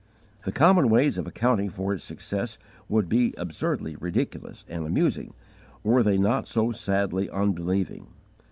The common ways of accounting for its success would be absurdly ridiculous and amusing were they not so sadly unbelieving.